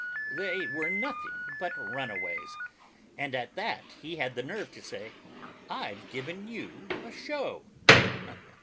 They were nothing but runaways. And at that he had the nerve to say, 'I've given you a show.